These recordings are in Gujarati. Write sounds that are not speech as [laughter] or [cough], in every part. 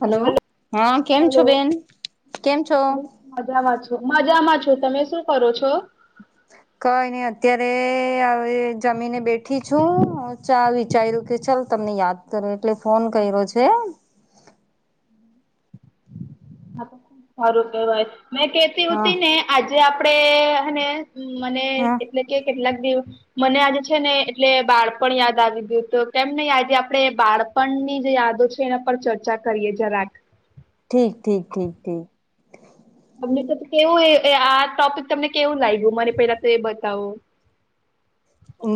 હેલો, હલો હન કેમ છો હલો બેન? કેમ છો? મજામાં છું, મજામાં છું. તમે શું કરો છો? [inaudible] કઈ ની અત્યારે આ એ જમીને બેઠી છું, ચાલ વિચાર્યું કે ચલ તમને યાદ કરુ એટલે ફોન કર્યો છે. હા, તો [unintelligible] સારું કેહેવાય, મેં કેતી હા હુતી ને આજે આપડે હેને મને હા એટલે કે કેટલાક દિવ મને આજે છે ને એટલે બાળપણ યાદ આવી ગયું તો કેમ ને આજે આપણે બાળ પણ ની જે યાદો છે એના પર ચર્ચા કરીએ જરાક. ઠીક ઠીક ઠીક ઠીક. અમને કેતી કે કેવું એ આ ટોપિક તમને કેવું લાગ્યું? મને પેલા તો એ બતાવો.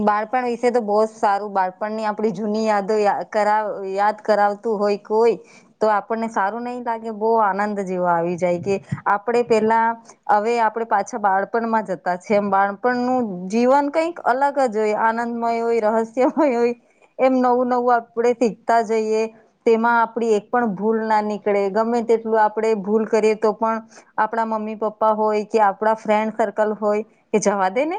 બાળપણ વિશે તો બઉ જ સારું બાળપણની આપડી જૂની યાદો યા કરાવ યાદ કરાવતું હોય કોઈ તો આપડને સારું નઈ લાગે, બઉ આનંદ જેવુ આવી જાય કે આપડે પેલા હવે આપડે પાછા બાળપણમાં જતા છે, એમ બાળપણનું જીવન કઈક અલગ જ હોય, આનંદમય હોય, રહસ્યમય હોય એમ નવું-નવું આપડે શીખતા જઈએ. તેમાં આપડી એક પણ ભૂલ ના નીકળે ગમે તેટલું આપડે ભૂલ કરીએ તો પણ આપણા મમ્મી-પપ્પા હોય કે આપડા ફ્રેન્ડ સર્કલ હોય કે જવા દે ને,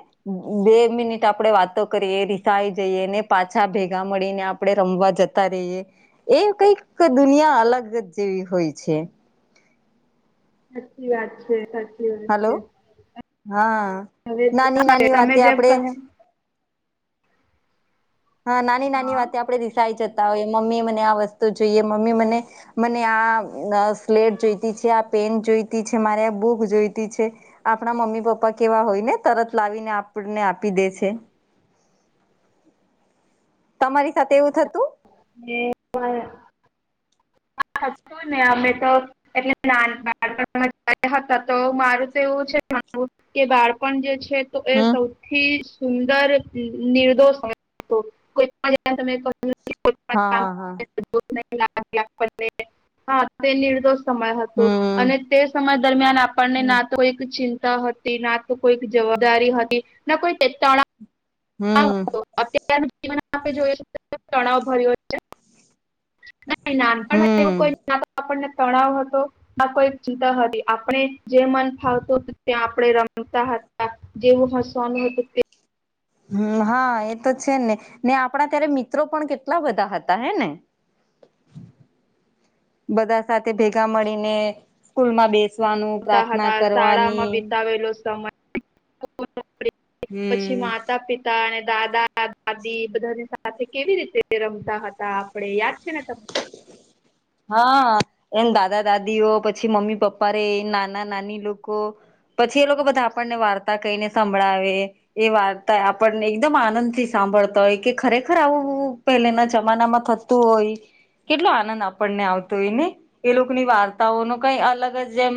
બે મિનિટ આપડે વાતો કરીએ, રીસાઈ જઈએ, ને પાછા ભેગા મળીને આપડે રમવા જતા રહીએ. એ કઈક દુનિયા અલગ જ જેવી હોય છે. સાચી વાત છે, સા ચી વાત હલો છે. હા અન નાની નાની [unintelligible] તમે વાતે જેમ આપણે કહ હા, નાની-નાની હા વાતે આપડે રીસાઈ જતા હોયે, મમ્મી મને આ વસ્તુ જોઈએ મમ્મી મને મને આ સ્લેટ જોઈતી છે, આ પેન જોઈતી છે, મારે આ બુક જોઈતી છે આપણા મમ્મી-પપ્પા કેવા હોય ને તરત લાવીને આપડને આપી દે છે. તમારી સાથે એવું થતું? એ [inaudible] [unintelligible] ને અમે તો એટલે નાન-નાનપણમાં જયારે હતા તો મારું તો એવું છે કે બાળપણ જે છે તો એ હમ સૌથી સુંદર નિર્દોષ હતો. ત્યા તમે હા હા [unintelligible] [inaudible] હા તે નિર્દોષ સમય હતો હમ અને તે સમય દરમિયાન હમ આપણને કોઈ ચિંતા હતી ના તો કોઈ જવાબદારી હતી ના કોઈ તણા હમ. અત્યારનું જીવન આપે જોઈ તણાવ ભર્યો છે. ના હમ નાનપમાં એવું કોઈ ના આપણને તણાવ હતો આ કોઈ ચિંતા હતી આપણે જે મન ફાવતું હતું ત્યા આપણે રમતા હતા. જેવું હસવાનું હતું તે. હમ હા એ તો છે ને, ને આપણા ત્યારે મિત્રો પણ કેટલા બધા હતા હે ને? બધા સાથે ભેગા મળીને સ્કૂલ માં બેસ સવાનું, પ્રાર્થના કરવાની આવેલો સમય [unintelligible] પછી હમ માતા પિતા અને દાદા-દાદી બધાની સાથે કેવી રીતે રમતા હતા આપડે યાદ છે ને તમને? હા એમ દાદા-દાદીઓ પછી મમ્મી-પપ્પા રે એ નાના-નાની લોકો પછી એ લોકો બધા આપણને વાર્તા કહીને સંભળાવે. એ વાર્તા આપણને એકદમ આનંદ થી સાંભળતા હોય કે ખરેખર આવુંવું પહેલેના જમાના માં થતું હોય, કેટલો આનંદ આપ પણને આવતો હોય ને એ લોકોની વાર્તાઓ ન કઈ અલગ જ જેમ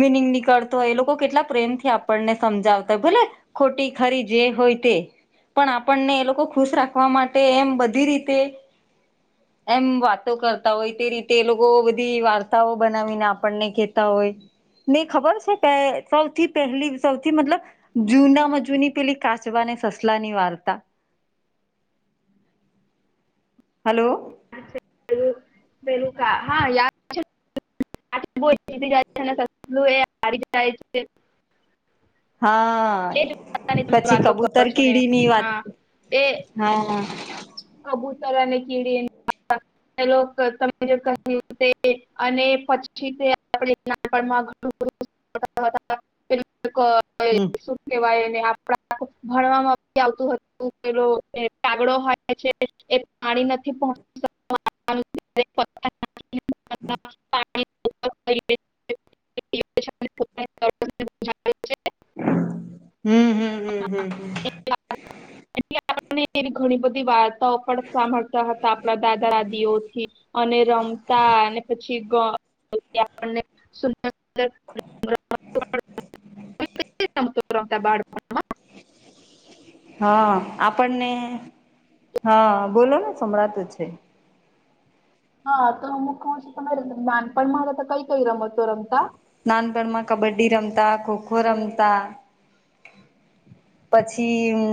મિનિંગ નીકળતો હોય, એ લોકો કેટલા પ્રેમ થી આપણને સમજાવતા હોય. ભલે ખોટી ખરી જે હોય તે પણ આપણને એ લોકો ખુશ રાખવા માટે એમ બધી રીતે એમ વા તો કરતા હોય. તે રીતે એ લોકો બધી વાર્તાઓ બનાવીને આપણને કેતા હોય. ને ખબર છે કે સૌથી પહેલી સૌથી મતલબ જૂનામાં જૂની પેલી કાચવાને સસલા ની વાર્તા. હલો. પેલુકા હા યાદ [unintelligible] [inaudible] હા એ જ વાતની તમે પછી વાતો કરો કબૂતર છો ને કીડી ની વાત હા એ હા કબૂતર અને કીડી [unintelligible] [unintelligible] અને પછી તે આપ નાનપણમાં [inaudible] હમ કેવાયને આપણા ભણવામાં આવતું હતું પેલું એ કાગડો હોય છે એ પાણી નથી [unintelligible] એ [unintelligible] [inaudible] હમ હમ હમ હા. તેવી ઘણી બધી વાત ર્તાઓ પણ સાંભળતા હતા આપણા દાદા-દાદી ઓથી અને રમતા અને પછી એક [unintelligible] [unintelligible] [inaudible] હા આપણને હા બોલો ને સંબધાતું છે. હા તો હમું કું છું તમારે નાનપણમાં હતા કઈ કઈ રમતો રમતા. નાનપણમાં કબડ્ડી રમતા, ખોખો રમતા. પછી હુ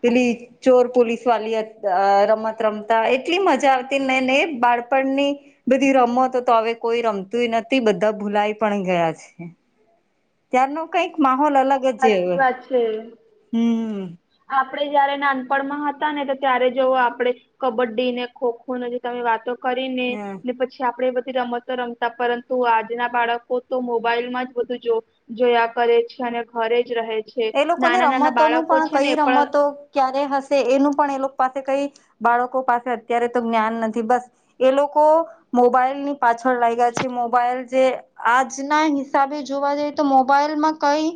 પેલી ચોર-પોલીસ [unintelligible] રમત રમતા એટલી મજા આવતી નેને એ બાળપણની. બધી રમો તો તો હવે કોઈ રમતુંય નથી બધા ભૂલાય પણ ગયા છે. ત્યાારનો કઈક માહોલ અલગ જ, સાચી હમ. આપડે જયારે નાનપણમાં હતા ને તો ત્યારે જોવ આપડે કબડ્ડી ને ખોખો જે તમે વાતો કરીને હમ ને પછી પછી, આપડે એ બધી રમતો રમતા પરંતુ આજના બાળકો તો મોબાઈલમાં જ બધું જો જોયા કરે છે, અને ઘરે જ રહે છે. એ લોકોને નાના નાના રમતોનું બાળકો પણ છે કઈ ને પણ રમતો ક્યારે હશે એનું પણ એ લોક પાસે કઈ બાળકો પાસે અત્યારે તો જ્ઞાન નથી બસ એ લોકો મોબાઈલની પાછળ લાયગા છે, મોબાઈલ જે આજના હિસાબે જોવા જઈએ તો મોબાઈલમાં કઈ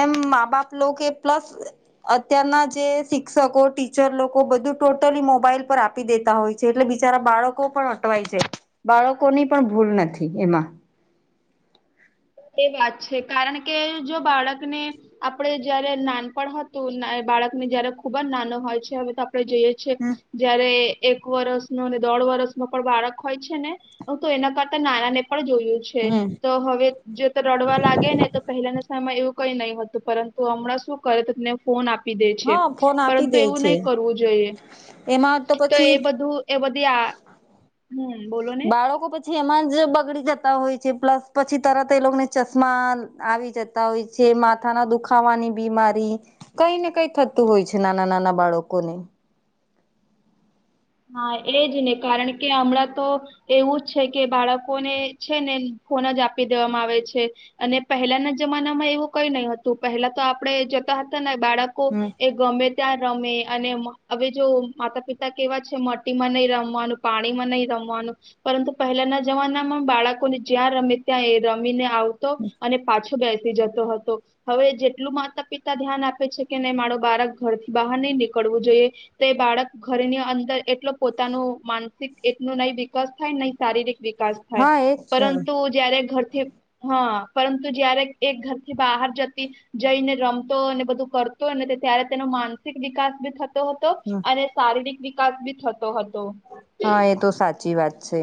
એમ મા-બાપનું કે પ્લસ અત્યારના જે શિક્ષકો ટીચર લોકો બધું ટોટલી મોબાઈલ પર આપ આપી દેતા હોય છે, એટલે બિચારા બાળકો પણ અટવાય છે. બાળકોની પણ ભૂલ નથી એમાં. એ વાત છે કારણ કે, જો બાળકને આપડે જયારે નાનપણ હતું ને બાળકને જયારે ખુબ જ નાનો હોય છે હવે તો આપડે જોઈએ છીએ હમ જયારે એક વરસનો ને દોઢ વરસનો પણ બાળક હોય છે ને હું તો એના કરતા નાનાને પણ જોયું છે. છે, હમ તો હવે જે તો રડવા લાગે ને તો પહેલાના સમયમાં એવું કઈ નહી હતું, પરંતુ હમણાં શું કરે તમને ફોન આપી દે છે, હા ફોન આપી પરંતુ દે એવું છે નઈ કરવું જોઈએ. એમાં તો એ પછી બધું એ બધી આ હમ બોલો ને બાળકો પ પછી એમાં જ બગડી જતા હોય છે. પ્લસ પછી તરત એ લોકોને ચશ્મા આવી જ તા હોય છે, માથાના દુખાવાની બીમારી કઈ ને કઈ થતું હોય છે, નાના-નાના બાળકોને. હા, એજ ને કારણ કે હમણાં તો એવું જ છે કે બાળકોને છે ને ફોન જ આપી દેવામાં આવે છે. અને પહેલાના જમાનામાં એવું કઈ નઈ હતું, પહેલા તો આપડે જોતા હતા ને બાળક કૂબ હમ એ ગમે ત્યાં રમે અને મ હવે જો માતા-પિતા કેવા છે મટીમાં નઈ રમવાનું, પાણીમાં નઈ રમવાનું. પરંતુ પહેલાના જમાનામાં બાળકોને જ્યાં રમે ત્યાં એ રમીને આવતો અને પાછો બેસી જતો હતો. હવે જેટલું માતા-પિતા ધ્યાન આપે છે કે નઈ મારો બાળક ઘરથી બહાર નઈ નીકળવું જોઈએ તે બાળક ઘરની અંદર એટલો પોતાનો માનસિક એટલુ નઈ વિકાસ થાય, નઈ શારીરિક વિકાસ થાય, હા એજ છે, પરંતુ જયારે ઘરથી હા, પરંતુ જયારે એ ઘરથી બહાર જતી જઈને રમતો અને બધું કરતો ને તો ત્યારે તેનો માનસિક વિકાસ બી થ તો હતો અને શારીરિક વિકાસ ભી થતો હતો. હા, એ તો સાચી વાત છે.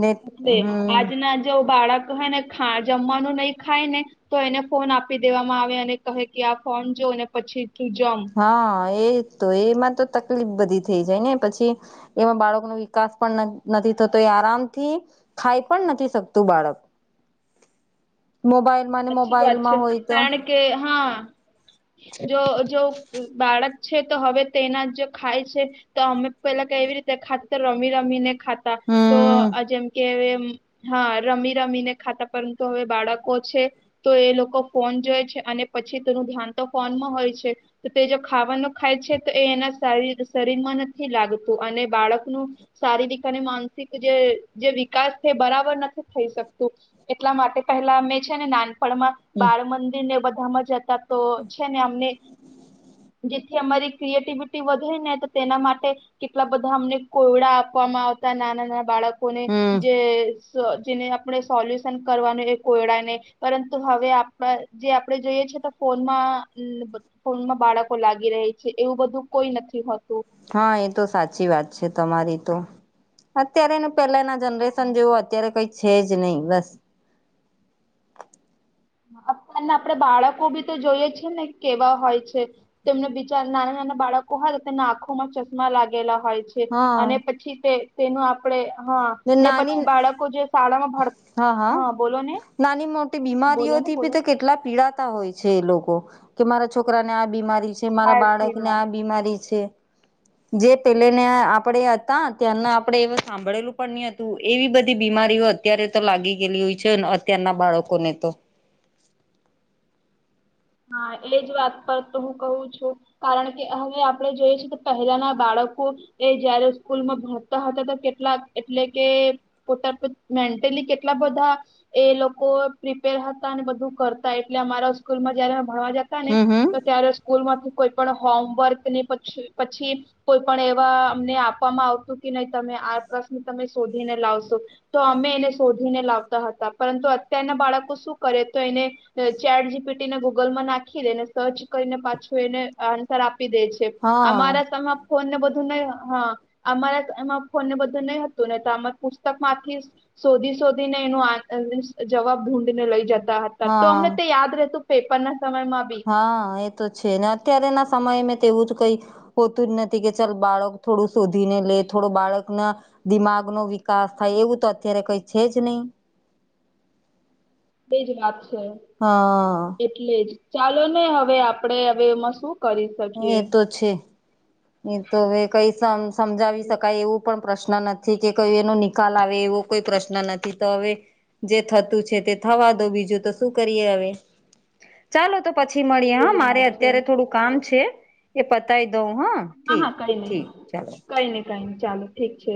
ને હન [unintelligible] હમ આજના જો બાળક હેને ખા જમવાનું નહી ખાઈને તો એને ફોન આપી દેવામાં આવે અને કહે કે, આ ફોન જોને પછી તું જમ. હન, એ તો એમાં તો તકલીફ બધી થઈ જાય ને પછી એવા બાળકોનો વિકાસ પણ ન નથી થતો એ આરામથી ખાઈ પણ નથી શકતું બાળક. મોબાઈલ મન સાચી વાત છે મોબાઈલમાં હોય તો કારણ કે હા, જો જો બાળક છે તો હવે તેના જ જો ખાય છે તો અમે પેલા કે કેવી રીતે ખાત તે રમી-રમીને ખાતા તો હમ જેમ કે હા, રમી-રમીને ખાતા, પરંતુ હવે બાળકો છે તો એ લોકો ફોન જોવે છે, અને પછી તેનું ધ્યાન તો ફોનમાં હોય છે. તો તે જો ખાવાનું ખાય છે તો એ એના શરીર શરીરમાં નથી લાગતું અને બાળકનું શારીરિક અને માનસિક જે જે વિકાસ છે, બરાબર નથી થઈ શકતું. એટલા માટે પેલા અમે છે ને નાન. બાળ મંદિર ને બધામાં જતા તો છે ને અમને. થી અમારી ક્રિએટિવિટી વધે ને તો તેના માટે. કેટલા બધા અમને કોયડા આપવામાં આવતા નાના નાના બાળક. હમ જેને આપણે સોલ્યુશન કરવાનું એ કોયડા ને. પરંતુ હવે આપણા જે આપણે જોઈએ છે તો ફોનમાં. સ્કૂલમાં બાળકો લાગી રહી છે એવું બધું કોઈ નથી હોતું. હા એ તો સાચી વાત છે તમારી તો. અત્યારેનું પેલાના હા જનરેશન જેવું અત્યારે કઈ છે જ નહી બસ. અત્યારના આપડે બાળકો બી તો જોઈએ છેી ને કેવા હોય છે. તેમને બિચાર નાના નાના બાળકો હોય તેમના આંખોમાં ચશ્મા લાગેલા હોય છે. હા અને પછી તે. તેનું આપડે હા ને પછી બાળકો જે શાળામાં ભર હા બોલો ને. નાની મોટી બોલો ને બીમારીઓથી ભી બોલો તો ને કેટલા પીડા. હોય છે એ લોકો કે મારા છોકરાને આ બીમારી છે મારા હા જી બાળક ને વાત આ બીમારી છે. જે પેલે ને આપડે હતા ત્યાંના આપડે એ સાંભળેલું. પણ હતું એવી બધી બીમારીઓ અત્યારે તો લાગી ગયેલી હોય છે અત્યારના બાળકોને તો. હા એટલે જ વાત પર તો હું કહું છું. કારણ કે હવે આપણે જોઈએ છે તો પહેલાના બાળકો. એ જયારે સ્કૂલમાં ભરતા હતા તો કેટલાક એટલે કે. પોતા મેન્ટલી કેટલા બધા. એ લોકો પ્રિપેર હતા અને બધું કરતા એટલે અમારા સ્કૂલ માં. જારે ભણવા જતા ને હમ હમ તો ત્યારે સ્કૂલ માંથી કોઈ પણ હોમવર્કની પછી. કોઈ પણ એવા અમને આપવામાં આવતું કે નહી તમે આ પ્રશ્ન તમે શોધીને લાવશો. તો અમે એને શોધીને લાવતા હતા પરંતુ અત્યારના બાળકો શું કરે તો એને. ચેાર જી પીટીને ગૂગલમાં નાખી દે ને સર્ચ કરીને પાછું એને આન્સર આપી દેજ. હા અમારા સમા. ફોન ને બધું નહી હા અમારા એમાં ફોન ને બધું નહી હતું ને તો આ પુસ્તક માંથી. શોધી શોધી ને એનો જવાબ ધુળીને લઈ જતા હતા. તો હા અમને તે યાદ રહેતું પેપર ના સમયમાં બી. હા એ તો છે ને અત્યારે ના સમય મેં તેવું જ કઈ. હોતું જ નથી કે ચાલ બાળક થોડું શોધીને લે થોડું બાળકના. દિમાગ નો વિકાસ થાય એવું તો અત્યારે કઈ છે જ નહી. તે જ વાત છે. હા. એટલે જ ચાલો ને હવે આપડે હવે એમાં શું કરીશ. એ તો છે એ તો હવે કઈ સમજાવી શકાય એવું. પણ પ્રશ્ન નથી કે કોઈ એનો નિકાલ આવે એવો કોઈ પ્રશ્ન નથી તો હવે. જે થતું છે તે થવા દો બીજું તો શું કરીએ હવે ચાલો તો. પછી મળીએ હા એ જ મારે વાત છે અત્યારે થોડું કામ છે એ પતાય દઉં હા. હા ઠીક હા કઈ નઈિ ઠીક ચાલો કઈ નઈ કઈ નઈ ચાલો ઠીક છે.